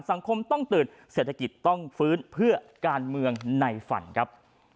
สังคมต้องตื่นเศรษฐกิจต้องฟื้นเพื่อการเมืองในฝันครับ